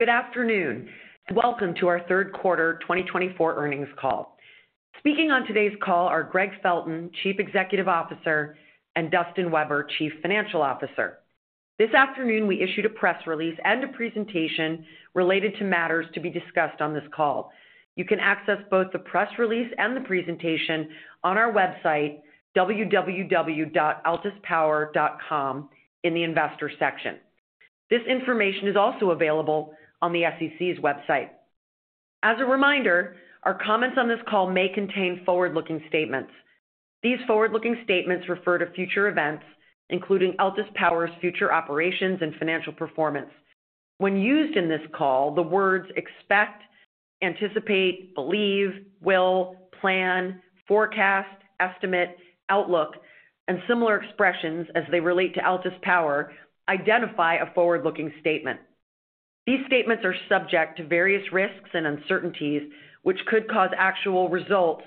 Good afternoon, and welcome to our third quarter 2024 earnings call. Speaking on today's call are Gregg Felton, Chief Executive Officer, and Dustin Weber, Chief Financial Officer. This afternoon, we issued a press release and a presentation related to matters to be discussed on this call. You can access both the press release and the presentation on our website, www.altuspower.com, in the investor section. This information is also available on the SEC's website. As a reminder, our comments on this call may contain forward-looking statements. These forward-looking statements refer to future events, including Altus Power's future operations and financial performance. When used in this call, the words "expect," "anticipate," "believe," "will," "plan," "forecast," "estimate," "outlook," and similar expressions as they relate to Altus Power identify a forward-looking statement. These statements are subject to various risks and uncertainties, which could cause actual results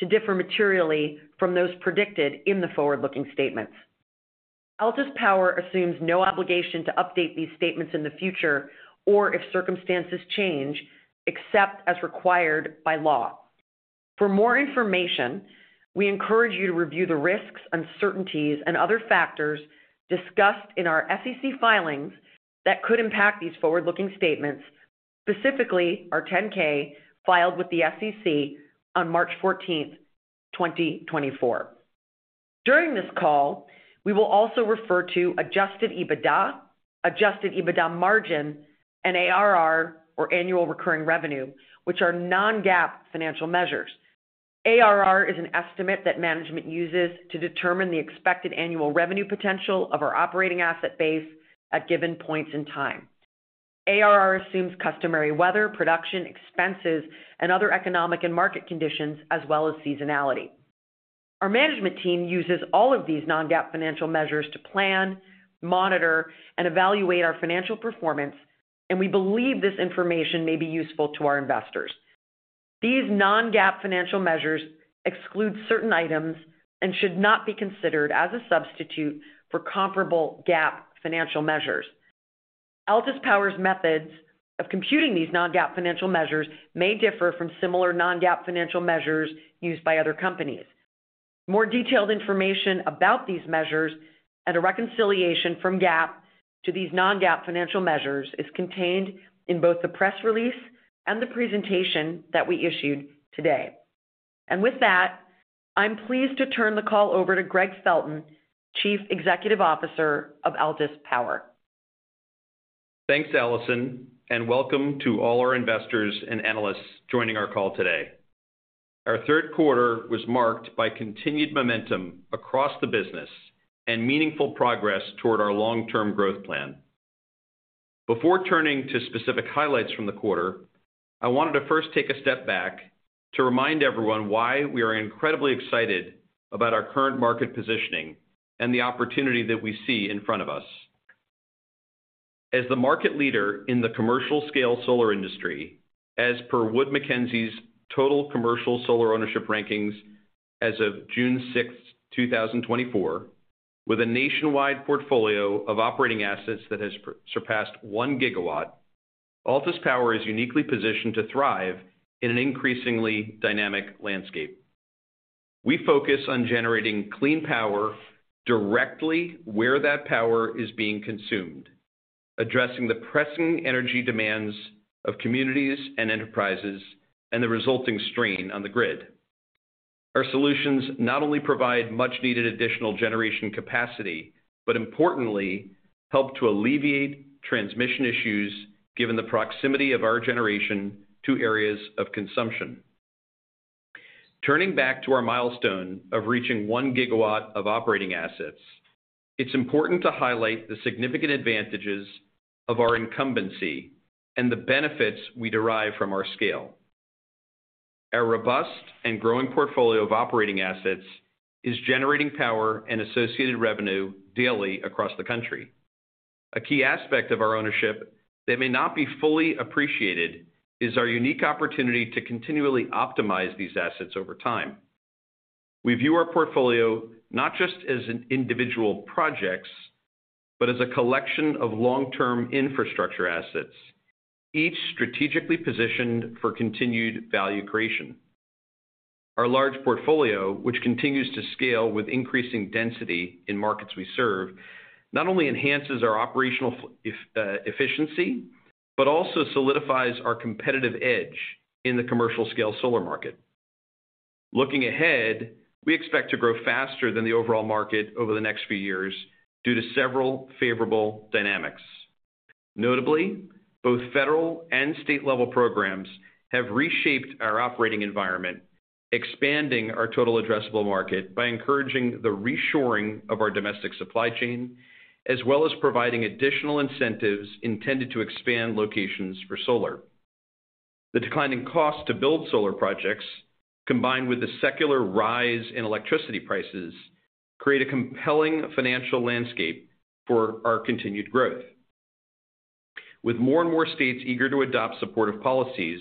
to differ materially from those predicted in the forward-looking statements. Altus Power assumes no obligation to update these statements in the future or if circumstances change, except as required by law. For more information, we encourage you to review the risks, uncertainties, and other factors discussed in our SEC filings that could impact these forward-looking statements, specifically our 10-K filed with the SEC on March 14, 2024. During this call, we will also refer to Adjusted EBITDA, Adjusted EBITDA margin, and ARR, or annual recurring revenue, which are non-GAAP financial measures. ARR is an estimate that management uses to determine the expected annual revenue potential of our operating asset base at given points in time. ARR assumes customary weather, production, expenses, and other economic and market conditions, as well as seasonality. Our management team uses all of these non-GAAP financial measures to plan, monitor, and evaluate our financial performance, and we believe this information may be useful to our investors. These non-GAAP financial measures exclude certain items and should not be considered as a substitute for comparable GAAP financial measures. Altus Power's methods of computing these non-GAAP financial measures may differ from similar non-GAAP financial measures used by other companies. More detailed information about these measures and a reconciliation from GAAP to these non-GAAP financial measures is contained in both the press release and the presentation that we issued today, and with that, I'm pleased to turn the call over to Gregg Felton, Chief Executive Officer of Altus Power. Thanks, Alison, and welcome to all our investors and analysts joining our call today. Our third quarter was marked by continued momentum across the business and meaningful progress toward our long-term growth plan. Before turning to specific highlights from the quarter, I wanted to first take a step back to remind everyone why we are incredibly excited about our current market positioning and the opportunity that we see in front of us. As the market leader in the commercial-scale solar industry, as per Wood Mackenzie's total commercial solar ownership rankings as of June 6, 2024, with a nationwide portfolio of operating assets that has surpassed 1 GW, Altus Power is uniquely positioned to thrive in an increasingly dynamic landscape. We focus on generating clean power directly where that power is being consumed, addressing the pressing energy demands of communities and enterprises and the resulting strain on the grid. Our solutions not only provide much-needed additional generation capacity but, importantly, help to alleviate transmission issues given the proximity of our generation to areas of consumption. Turning back to our milestone of reaching 1 GW of operating assets, it's important to highlight the significant advantages of our incumbency and the benefits we derive from our scale. Our robust and growing portfolio of operating assets is generating power and associated revenue daily across the country. A key aspect of our ownership that may not be fully appreciated is our unique opportunity to continually optimize these assets over time. We view our portfolio not just as individual projects but as a collection of long-term infrastructure assets, each strategically positioned for continued value creation. Our large portfolio, which continues to scale with increasing density in markets we serve, not only enhances our operational efficiency but also solidifies our competitive edge in the commercial-scale solar market. Looking ahead, we expect to grow faster than the overall market over the next few years due to several favorable dynamics. Notably, both federal and state-level programs have reshaped our operating environment, expanding our total addressable market by encouraging the reshoring of our domestic supply chain, as well as providing additional incentives intended to expand locations for solar. The declining cost to build solar projects, combined with the secular rise in electricity prices, create a compelling financial landscape for our continued growth. With more and more states eager to adopt supportive policies,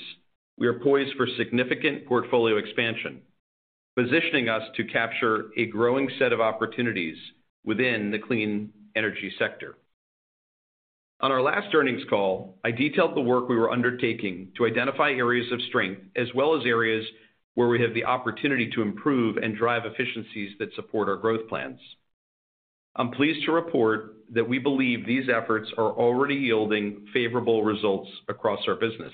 we are poised for significant portfolio expansion, positioning us to capture a growing set of opportunities within the clean energy sector. On our last earnings call, I detailed the work we were undertaking to identify areas of strength as well as areas where we have the opportunity to improve and drive efficiencies that support our growth plans. I'm pleased to report that we believe these efforts are already yielding favorable results across our business.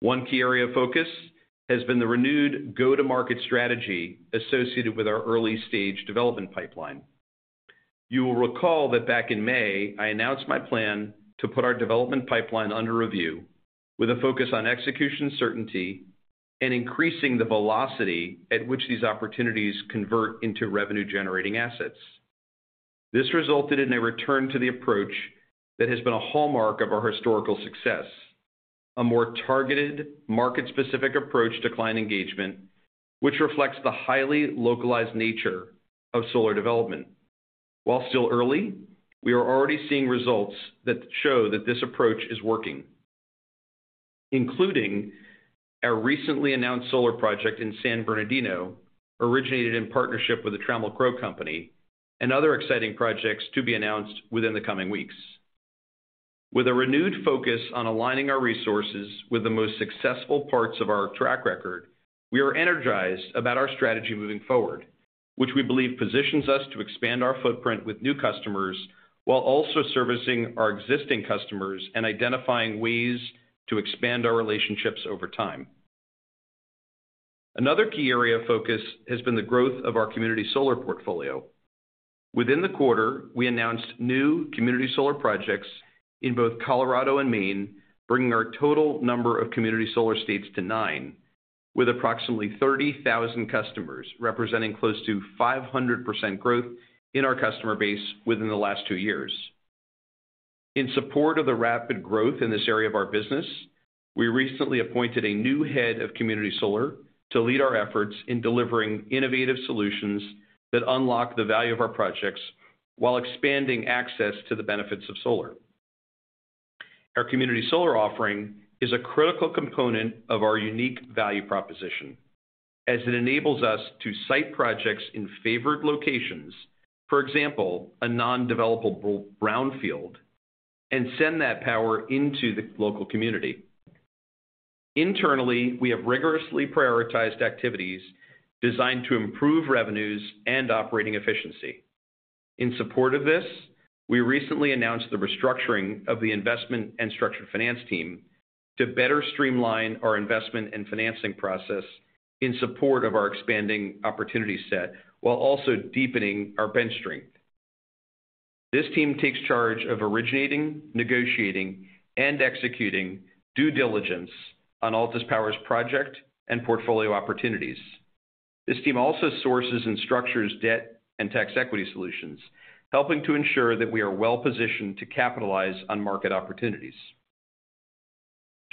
One key area of focus has been the renewed go-to-market strategy associated with our early-stage development pipeline. You will recall that back in May, I announced my plan to put our development pipeline under review with a focus on execution certainty and increasing the velocity at which these opportunities convert into revenue-generating assets. This resulted in a return to the approach that has been a hallmark of our historical success, a more targeted, market-specific approach to client engagement, which reflects the highly localized nature of solar development. While still early, we are already seeing results that show that this approach is working, including our recently announced solar project in San Bernardino, originated in partnership with the Trammell Crow Company, and other exciting projects to be announced within the coming weeks. With a renewed focus on aligning our resources with the most successful parts of our track record, we are energized about our strategy moving forward, which we believe positions us to expand our footprint with new customers while also servicing our existing customers and identifying ways to expand our relationships over time. Another key area of focus has been the growth of our community solar portfolio. Within the quarter, we announced new community solar projects in both Colorado and Maine, bringing our total number of community solar states to nine, with approximately 30,000 customers representing close to 500% growth in our customer base within the last two years. In support of the rapid growth in this area of our business, we recently appointed a new head of community solar to lead our efforts in delivering innovative solutions that unlock the value of our projects while expanding access to the benefits of solar. Our community solar offering is a critical component of our unique value proposition, as it enables us to site projects in favored locations, for example, a non-developable brownfield, and send that power into the local community. Internally, we have rigorously prioritized activities designed to improve revenues and operating efficiency. In support of this, we recently announced the restructuring of the investment and structured finance team to better streamline our investment and financing process in support of our expanding opportunity set while also deepening our bench strength. This team takes charge of originating, negotiating, and executing due diligence on Altus Power's project and portfolio opportunities. This team also sources and structures debt and tax equity solutions, helping to ensure that we are well-positioned to capitalize on market opportunities.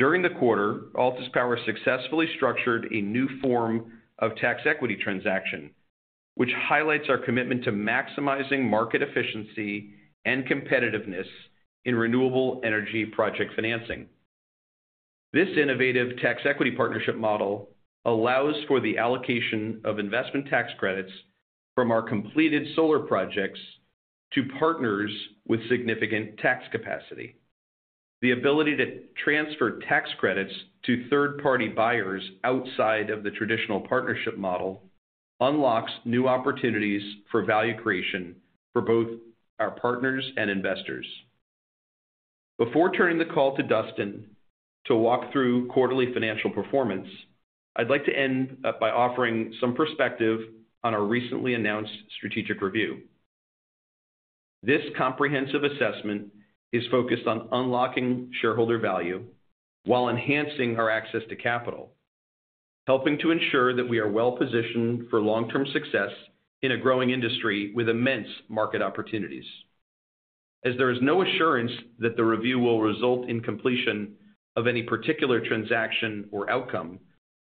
During the quarter, Altus Power successfully structured a new form of tax equity transaction, which highlights our commitment to maximizing market efficiency and competitiveness in renewable energy project financing. This innovative tax equity partnership model allows for the allocation of investment tax credits from our completed solar projects to partners with significant tax capacity. The ability to transfer tax credits to third-party buyers outside of the traditional partnership model unlocks new opportunities for value creation for both our partners and investors. Before turning the call to Dustin to walk through quarterly financial performance, I'd like to end by offering some perspective on our recently announced strategic review. This comprehensive assessment is focused on unlocking shareholder value while enhancing our access to capital, helping to ensure that we are well-positioned for long-term success in a growing industry with immense market opportunities. As there is no assurance that the review will result in completion of any particular transaction or outcome,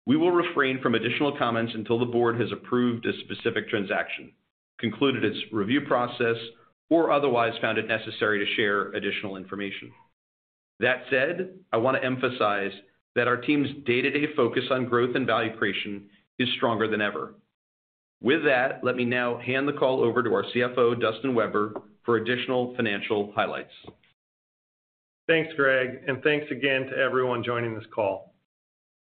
we will refrain from additional comments until the board has approved a specific transaction, concluded its review process, or otherwise found it necessary to share additional information. That said, I want to emphasize that our team's day-to-day focus on growth and value creation is stronger than ever. With that, let me now hand the call over to our CFO, Dustin Weber, for additional financial highlights. Thanks, Gregg, and thanks again to everyone joining this call.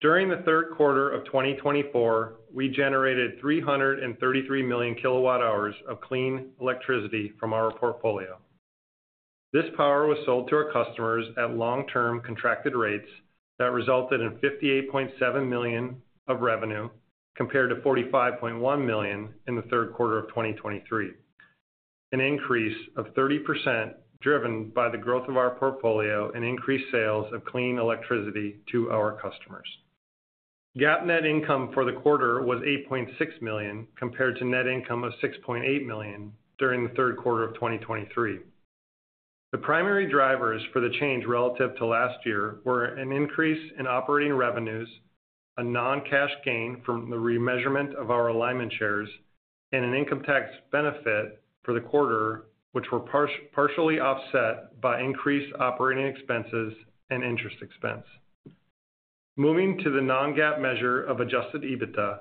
During the third quarter of 2024, we generated 333 million kilowatt-hours of clean electricity from our portfolio. This power was sold to our customers at long-term contracted rates that resulted in $58.7 million of revenue compared to $45.1 million in the third quarter of 2023, an increase of 30% driven by the growth of our portfolio and increased sales of clean electricity to our customers. GAAP net income for the quarter was $8.6 million compared to net income of $6.8 million during the third quarter of 2023. The primary drivers for the change relative to last year were an increase in operating revenues, a non-cash gain from the remeasurement of our Alignment Shares, and an income tax benefit for the quarter, which were partially offset by increased operating expenses and interest expense. Moving to the non-GAAP measure of Adjusted EBITDA,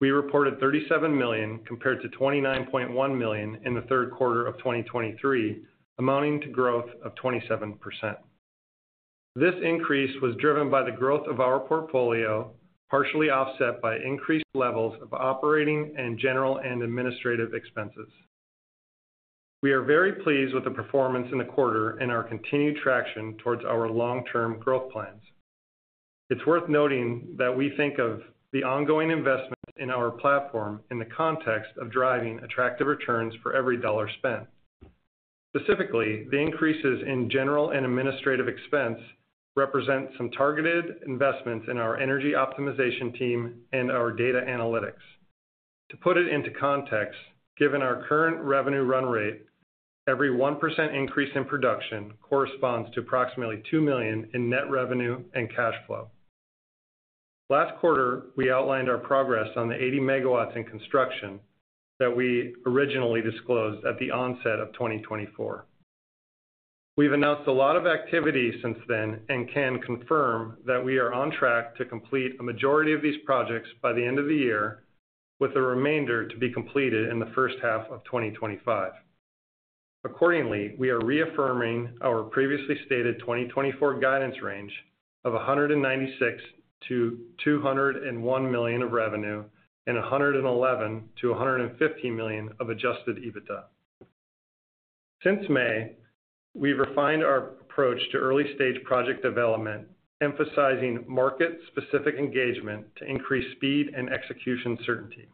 we reported $37 million compared to $29.1 million in the third quarter of 2023, amounting to growth of 27%. This increase was driven by the growth of our portfolio, partially offset by increased levels of operating and general and administrative expenses. We are very pleased with the performance in the quarter and our continued traction towards our long-term growth plans. It's worth noting that we think of the ongoing investment in our platform in the context of driving attractive returns for every dollar spent. Specifically, the increases in general and administrative expense represent some targeted investments in our energy optimization team and our data analytics. To put it into context, given our current revenue run rate, every 1% increase in production corresponds to approximately $2 million in net revenue and cash flow. Last quarter, we outlined our progress on the 80 MW in construction that we originally disclosed at the onset of 2024. We've announced a lot of activity since then and can confirm that we are on track to complete a majority of these projects by the end of the year, with the remainder to be completed in the first half of 2025. Accordingly, we are reaffirming our previously-stated 2024 guidance range of $196 million-$201 million of revenue and $111 million-$150 million of Adjusted EBITDA. Since May, we've refined our approach to early-stage project development, emphasizing market-specific engagement to increase speed and execution certainty.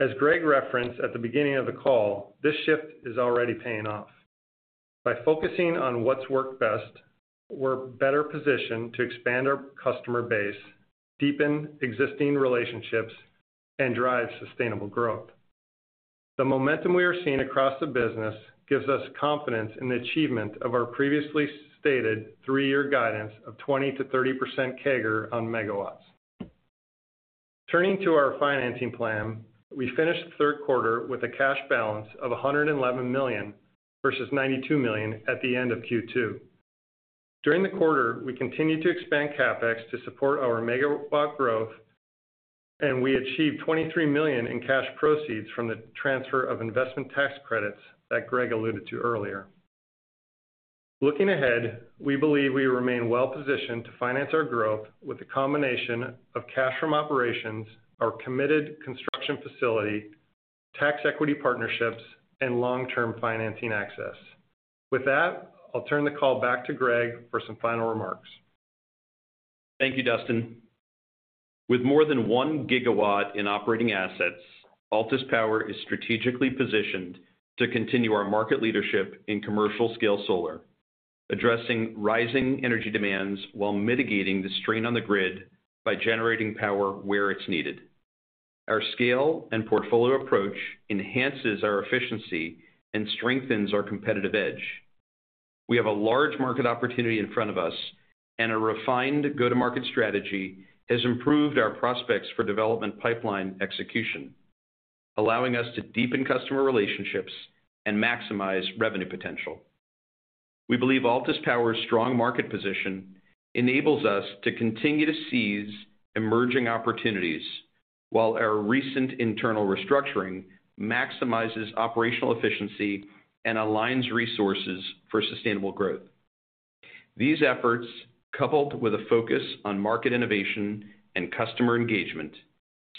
As Gregg referenced at the beginning of the call, this shift is already paying off. By focusing on what's worked best, we're better positioned to expand our customer base, deepen existing relationships, and drive sustainable growth. The momentum we are seeing across the business gives us confidence in the achievement of our previously stated three-year guidance of 20%-30% CAGR on megawatts. Turning to our financing plan, we finished the third quarter with a cash balance of $111 million versus $92 million at the end of Q2. During the quarter, we continued to expand CapEx to support our megawatt growth, and we achieved $23 million in cash proceeds from the transfer of investment tax credits that Gregg alluded to earlier. Looking ahead, we believe we remain well-positioned to finance our growth with the combination of cash from operations, our committed construction facility, tax equity partnerships, and long-term financing access. With that, I'll turn the call back to Gregg for some final remarks. Thank you, Dustin. With more than 1 GW in operating assets, Altus Power is strategically positioned to continue our market leadership in commercial-scale solar, addressing rising energy demands while mitigating the strain on the grid by generating power where it's needed. Our scale and portfolio approach enhances our efficiency and strengthens our competitive edge. We have a large market opportunity in front of us, and a refined go-to-market strategy has improved our prospects for development pipeline execution, allowing us to deepen customer relationships and maximize revenue potential. We believe Altus Power's strong market position enables us to continue to seize emerging opportunities while our recent internal restructuring maximizes operational efficiency and aligns resources for sustainable growth. These efforts, coupled with a focus on market innovation and customer engagement,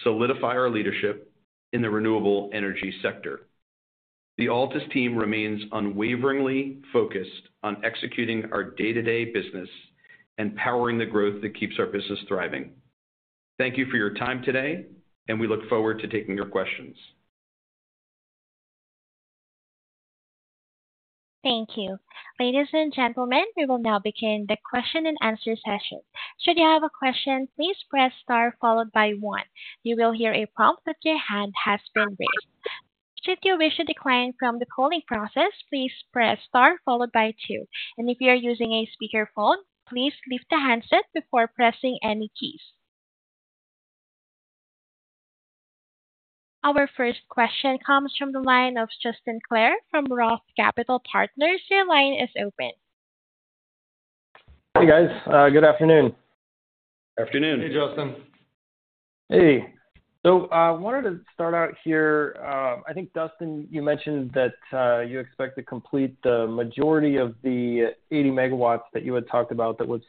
solidify our leadership in the renewable energy sector. The Altus team remains unwaveringly focused on executing our day-to-day business and powering the growth that keeps our business thriving. Thank you for your time today, and we look forward to taking your questions. Thank you. Ladies and gentlemen, we will now begin the question-and-answer session. Should you have a question, please press star followed by one. You will hear a prompt that your hand has been raised. Should you wish to decline from the polling process, please press star followed by two. And if you are using a speakerphone, please lift the handset before pressing any keys. Our first question comes from the line of Justin Clare from Roth Capital Partners. Your line is open. Hey, guys. Good afternoon. Good afternoon. Hey, Justin. Hey. I wanted to start out here. I think, Dustin, you mentioned that you expect to complete the majority of the 80 MW that you had talked about that was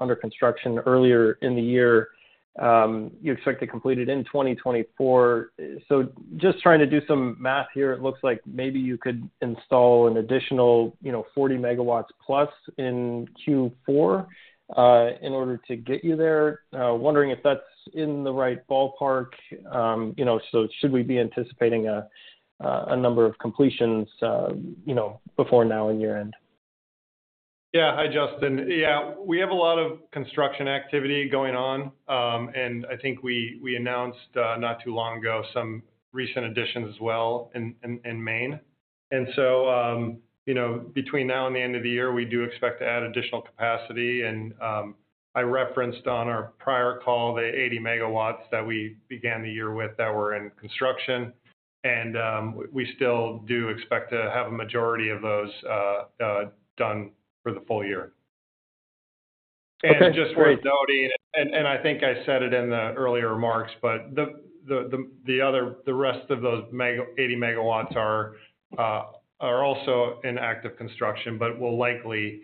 under construction earlier in the year. You expect to complete it in 2024. Just trying to do some math here, it looks like maybe you could install an additional 40+ MW in Q4 in order to get you there. Wondering if that's in the right ballpark. Should we be anticipating a number of completions before now on your end? Yeah. Hi, Justin. Yeah. We have a lot of construction activity going on, and I think we announced not too long ago some recent additions as well in Maine. And so between now and the end of the year, we do expect to add additional capacity. And I referenced on our prior call the 80 MW that we began the year with that were in construction, and we still do expect to have a majority of those done for the full year. And just worth noting, and I think I said it in the earlier remarks, but the rest of those 80 MW are also in active construction but will likely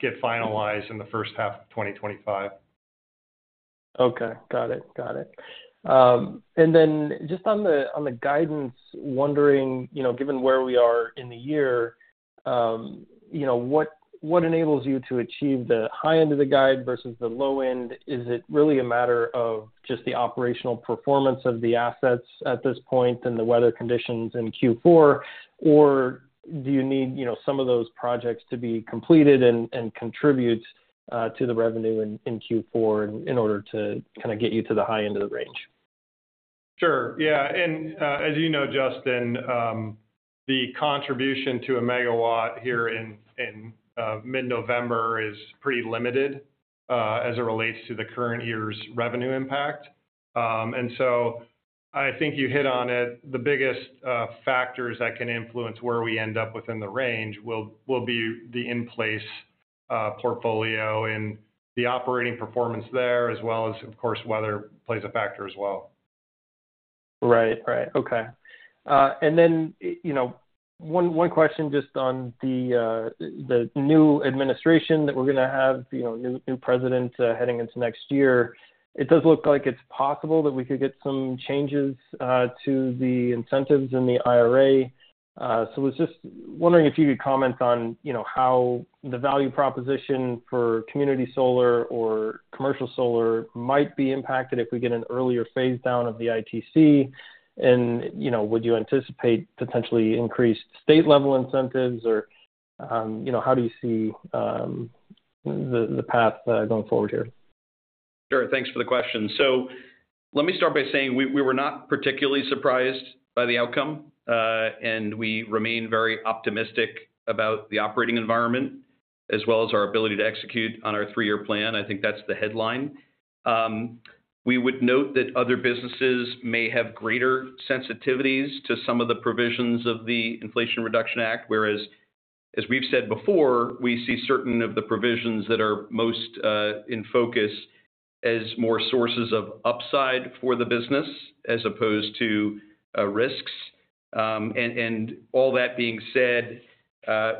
get finalized in the first half of 2025. Okay. Got it. Got it. And then just on the guidance, wondering, given where we are in the year, what enables you to achieve the high end of the guide versus the low end? Is it really a matter of just the operational performance of the assets at this point and the weather conditions in Q4, or do you need some of those projects to be completed and contribute to the revenue in Q4 in order to kind of get you to the high end of the range? Sure. Yeah. And as you know, Justin, the contribution to a megawatt here in mid-November is pretty limited as it relates to the current year's revenue impact. And so I think you hit on it. The biggest factors that can influence where we end up within the range will be the in-place portfolio and the operating performance there, as well as, of course, weather plays a factor as well. Okay. And then one question just on the new administration that we're going to have, new president heading into next year. It does look like it's possible that we could get some changes to the incentives in the IRA. So I was just wondering if you could comment on how the value proposition for community solar or commercial solar might be impacted if we get an earlier phase-down of the ITC. And would you anticipate potentially increased state-level incentives, or how do you see the path going forward here? Sure. Thanks for the question, so let me start by saying we were not particularly surprised by the outcome, and we remain very optimistic about the operating environment as well as our ability to execute on our three-year plan. I think that's the headline. We would note that other businesses may have greater sensitivities to some of the provisions of the Inflation Reduction Act, whereas, as we've said before, we see certain of the provisions that are most in focus as more sources of upside for the business as opposed to risks, and all that being said,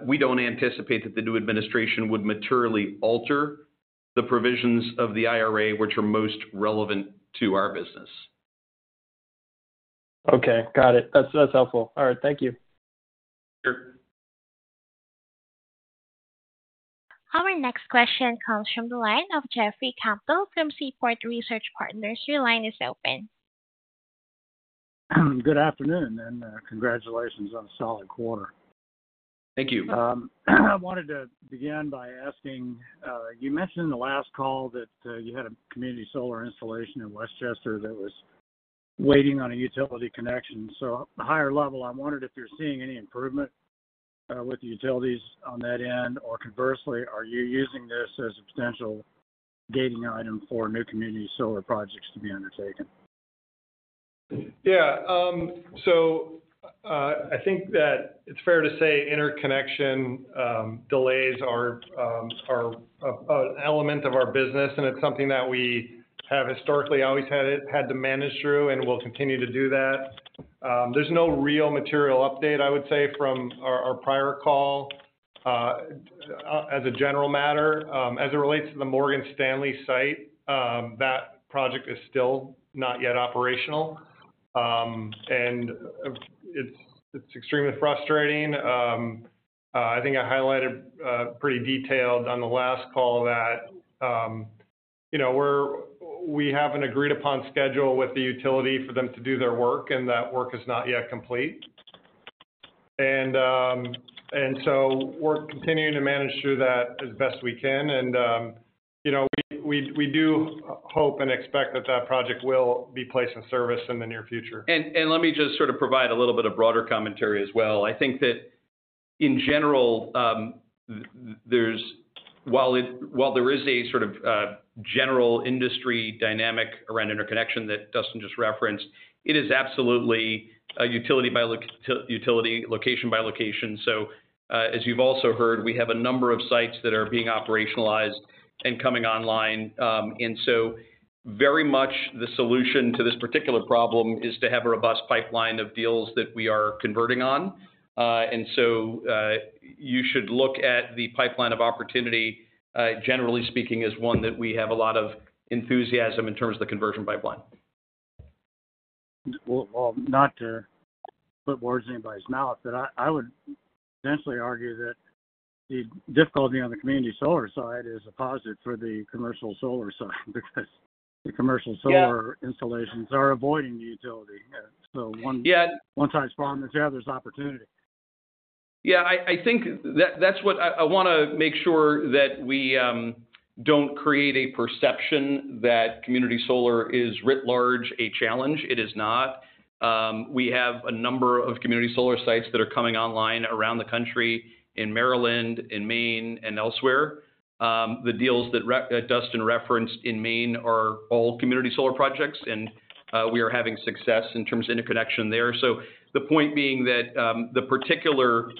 we don't anticipate that the new administration would materially alter the provisions of the IRA, which are most relevant to our business. Okay. Got it. That's helpful. All right. Thank you. Sure. Our next question comes from the line of Jeffrey Campbell from Seaport Research Partners. Your line is open. Good afternoon, and congratulations on a solid quarter. Thank you. I wanted to begin by asking, you mentioned in the last call that you had a community solar installation in Westchester that was waiting on a utility connection, so at a higher level, I wondered if you're seeing any improvement with the utilities on that end, or conversely, are you using this as a potential gating item for new community solar projects to be undertaken? Yeah. So I think that it's fair to say interconnection delays are an element of our business, and it's something that we have historically always had to manage through and will continue to do that. There's no real material update, I would say, from our prior call. As a general matter, as it relates to the Morgan Stanley site, that project is still not yet operational, and it's extremely frustrating. I think I highlighted pretty detailed on the last call that we have an agreed-upon schedule with the utility for them to do their work, and that work is not yet complete. We're continuing to manage through that as best we can, and we do hope and expect that that project will be placed in service in the near future. And let me just sort of provide a little bit of broader commentary as well. I think that in general, while there is a sort of general industry dynamic around interconnection that Dustin just referenced, it is absolutely a utility location by location. So as you've also heard, we have a number of sites that are being operationalized and coming online. And so very much the solution to this particular problem is to have a robust pipeline of deals that we are converting on. And so you should look at the pipeline of opportunity, generally speaking, as one that we have a lot of enthusiasm in terms of the conversion pipeline. Not to put words in anybody's mouth, but I would potentially argue that the difficulty on the community solar side is a positive for the commercial solar side because the commercial solar installations are avoiding the utility. So one side's farming the other. There's opportunity. Yeah. I think that's what I want to make sure that we don't create a perception that community solar is writ large a challenge. It is not. We have a number of community solar sites that are coming online around the country in Maryland, in Maine, and elsewhere. The deals that Dustin referenced in Maine are all community solar projects, and we are having success in terms of interconnection there. So the point being that the particular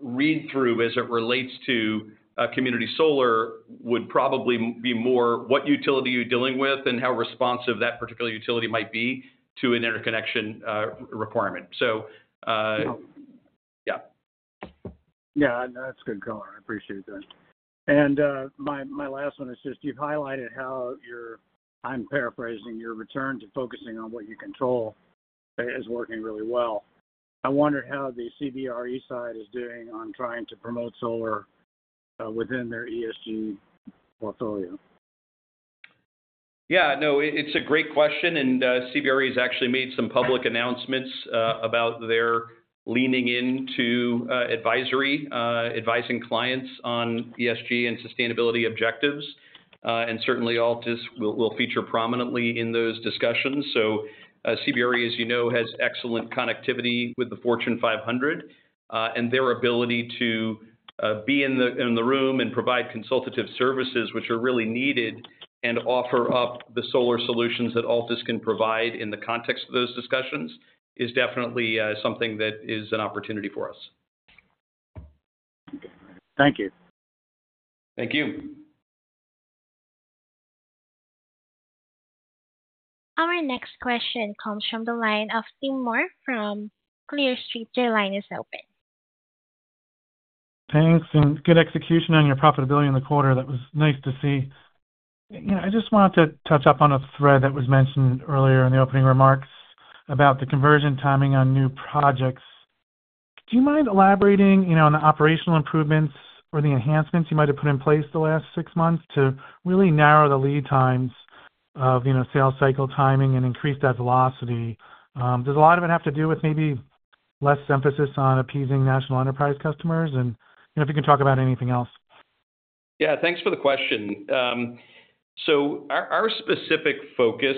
read-through as it relates to community solar would probably be more what utility you're dealing with and how responsive that particular utility might be to an interconnection requirement. So yeah. Yeah. That's good color. I appreciate that. And my last one is just you've highlighted how your (I'm paraphrasing) your return to focusing on what you control is working really well. I wondered how the CBRE side is doing on trying to promote solar within their ESG portfolio. Yeah. No, it's a great question. CBRE has actually made some public announcements about their leaning into advising clients on ESG and sustainability objectives. Certainly, Altus will feature prominently in those discussions. CBRE, as you know, has excellent connectivity with the Fortune 500, and their ability to be in the room and provide consultative services, which are really needed, and offer up the solar solutions that Altus can provide in the context of those discussions is definitely something that is an opportunity for us. Thank you. Thank you. Our next question comes from the line of Tim Moore from Clear Street. Your line is open. Thanks. And good execution on your profitability in the quarter. That was nice to see. I just wanted to touch up on a thread that was mentioned earlier in the opening remarks about the conversion timing on new projects. Do you mind elaborating on the operational improvements or the enhancements you might have put in place the last six months to really narrow the lead times of sales cycle timing and increase that velocity? Does a lot of it have to do with maybe less emphasis on appeasing national enterprise customers? And if you can talk about anything else. Yeah. Thanks for the question. So our specific focus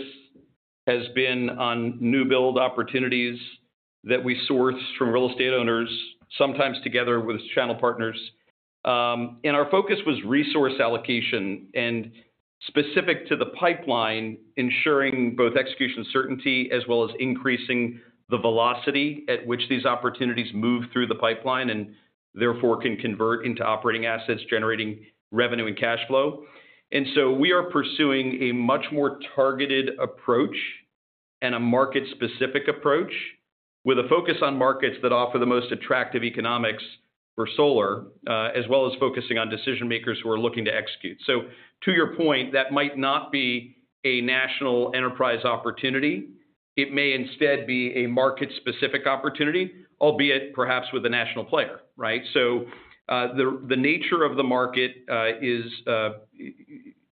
has been on new build opportunities that we source from real estate owners, sometimes together with channel partners. And our focus was resource allocation and specific to the pipeline, ensuring both execution certainty as well as increasing the velocity at which these opportunities move through the pipeline and therefore can convert into operating assets generating revenue and cash flow. And so we are pursuing a much more targeted approach and a market-specific approach with a focus on markets that offer the most attractive economics for solar, as well as focusing on decision-makers who are looking to execute. So to your point, that might not be a national enterprise opportunity. It may instead be a market-specific opportunity, albeit perhaps with a national player, right? So the nature of the market is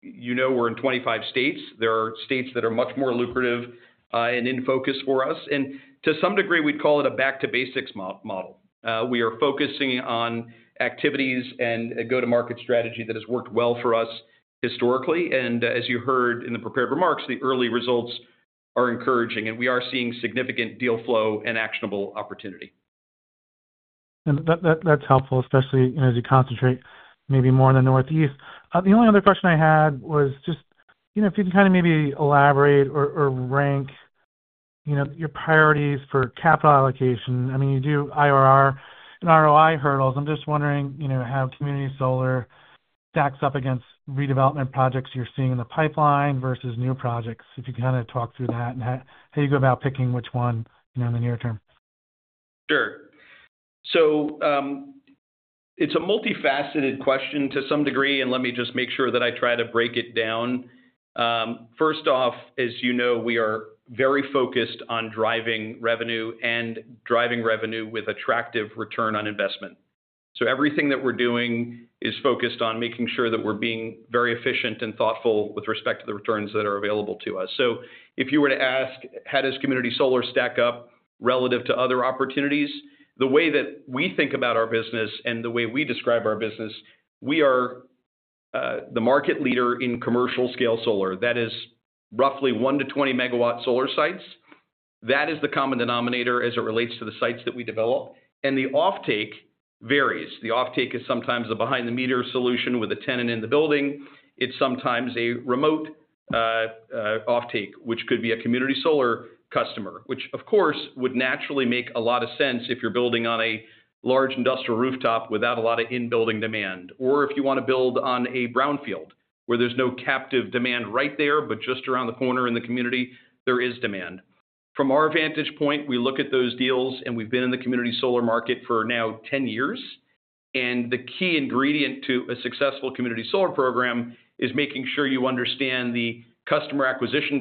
you know we're in 25 states. There are states that are much more lucrative and in focus for us. And to some degree, we'd call it a back-to-basics model. We are focusing on activities and a go-to-market strategy that has worked well for us historically. And as you heard in the prepared remarks, the early results are encouraging, and we are seeing significant deal flow and actionable opportunity. That's helpful, especially as you concentrate maybe more in the Northeast. The only other question I had was just if you can kind of maybe elaborate or rank your priorities for capital allocation. I mean, you do IRR and ROI hurdles. I'm just wondering how community solar stacks up against redevelopment projects you're seeing in the pipeline versus new projects. If you kind of talk through that and how you go about picking which one in the near term. Sure, so it's a multifaceted question to some degree, and let me just make sure that I try to break it down. First off, as you know, we are very focused on driving revenue and driving revenue with attractive return on investment, so everything that we're doing is focused on making sure that we're being very efficient and thoughtful with respect to the returns that are available to us, so if you were to ask, how does community solar stack up relative to other opportunities, the way that we think about our business and the way we describe our business, we are the market leader in commercial-scale solar. That is roughly 1-20 megawatt solar sites. That is the common denominator as it relates to the sites that we develop, and the offtake varies. The offtake is sometimes a behind-the-meter solution with a tenant in the building. It's sometimes a remote offtake, which could be a community solar customer, which, of course, would naturally make a lot of sense if you're building on a large industrial rooftop without a lot of in-building demand, or if you want to build on a brownfield where there's no captive demand right there, but just around the corner in the community, there is demand. From our vantage point, we look at those deals, and we've been in the community solar market for now 10 years. And the key ingredient to a successful community solar program is making sure you understand the customer acquisition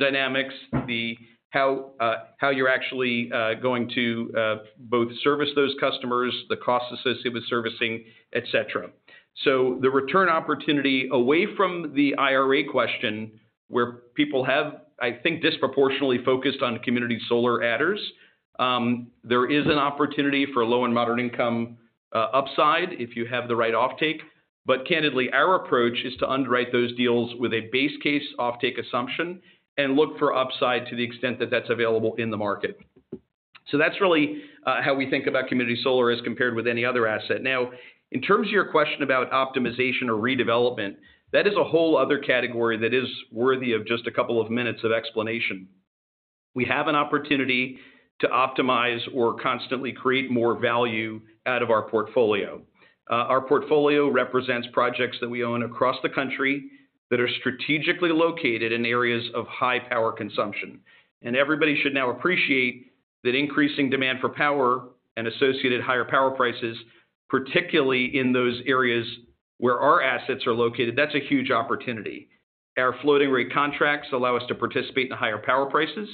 dynamics, how you're actually going to both service those customers, the costs associated with servicing, etc. So the return opportunity away from the IRA question, where people have, I think, disproportionately focused on community solar adders, there is an opportunity for low and moderate-income upside if you have the right offtake. But candidly, our approach is to underwrite those deals with a base case offtake assumption and look for upside to the extent that that's available in the market. So that's really how we think about community solar as compared with any other asset. Now, in terms of your question about optimization or redevelopment, that is a whole other category that is worthy of just a couple of minutes of explanation. We have an opportunity to optimize or constantly create more value out of our portfolio. Our portfolio represents projects that we own across the country that are strategically located in areas of high power consumption. Everybody should now appreciate that increasing demand for power and associated higher power prices, particularly in those areas where our assets are located, that's a huge opportunity. Our floating-rate contracts allow us to participate in the higher power prices.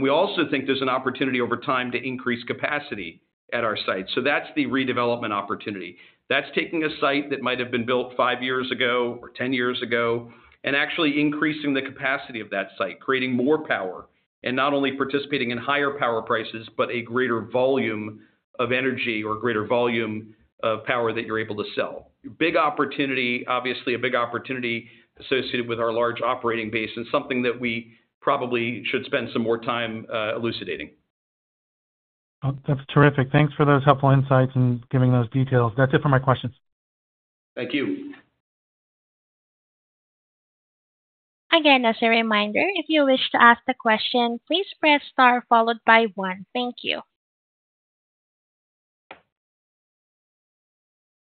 We also think there's an opportunity over time to increase capacity at our site. That's the redevelopment opportunity. That's taking a site that might have been built five years ago or 10 years ago and actually increasing the capacity of that site, creating more power, and not only participating in higher power prices, but a greater volume of energy or greater volume of power that you're able to sell. Big opportunity, obviously a big opportunity associated with our large operating base and something that we probably should spend some more time elucidating. That's terrific. Thanks for those helpful insights and giving those details. That's it for my questions. Thank you. Again, as a reminder, if you wish to ask a question, please press star followed by one. Thank you.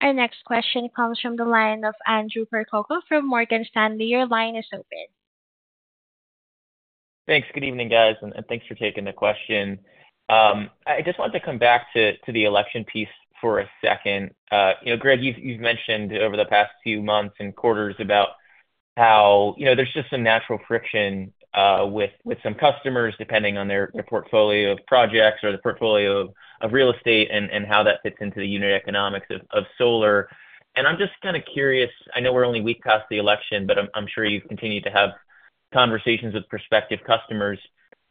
Our next question comes from the line of Andrew Percoco from Morgan Stanley. Your line is open. Thanks. Good evening, guys. And thanks for taking the question. I just wanted to come back to the election piece for a second. Gregg, you've mentioned over the past few months and quarters about how there's just some natural friction with some customers depending on their portfolio of projects or the portfolio of real estate and how that fits into the unit economics of solar. And I'm just kind of curious. I know we're only weeks past the election, but I'm sure you've continued to have conversations with prospective customers.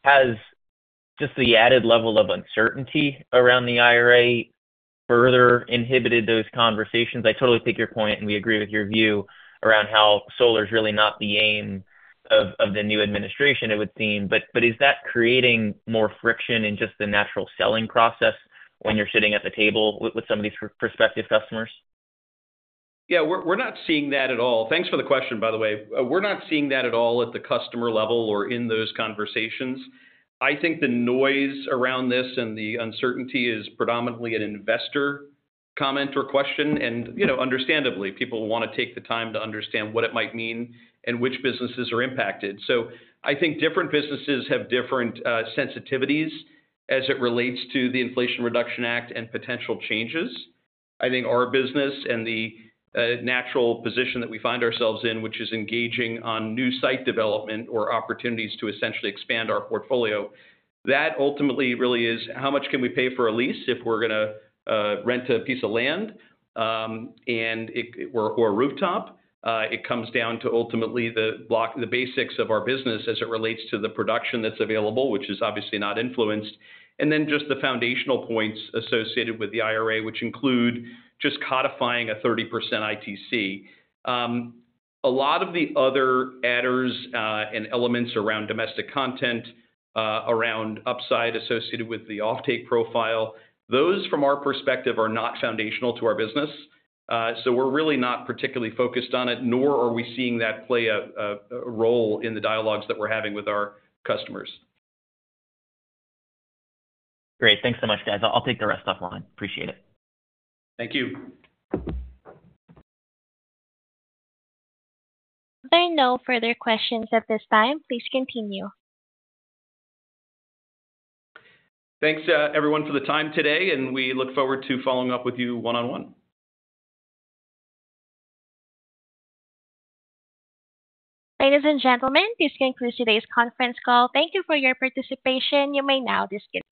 Has just the added level of uncertainty around the IRA further inhibited those conversations? I totally take your point, and we agree with your view around how solar is really not the aim of the new administration, it would seem. But is that creating more friction in just the natural selling process when you're sitting at the table with some of these prospective customers? Yeah. We're not seeing that at all. Thanks for the question, by the way. We're not seeing that at all at the customer level or in those conversations. I think the noise around this and the uncertainty is predominantly an investor comment or question. And understandably, people want to take the time to understand what it might mean and which businesses are impacted. So I think different businesses have different sensitivities as it relates to the Inflation Reduction Act and potential changes. I think our business and the natural position that we find ourselves in, which is engaging on new site development or opportunities to essentially expand our portfolio, that ultimately really is how much can we pay for a lease if we're going to rent a piece of land or a rooftop? It comes down to ultimately the basics of our business as it relates to the production that's available, which is obviously not influenced. And then just the foundational points associated with the IRA, which include just codifying a 30% ITC. A lot of the other adders and elements around domestic content, around upside associated with the offtake profile, those from our perspective are not foundational to our business. So we're really not particularly focused on it, nor are we seeing that play a role in the dialogues that we're having with our customers. Great. Thanks so much, guys. I'll take the rest offline. Appreciate it. Thank you. There are no further questions at this time. Please continue. Thanks, everyone, for the time today, and we look forward to following up with you one-on-one. Ladies and gentlemen, this concludes today's conference call. Thank you for your participation. You may now disconnect.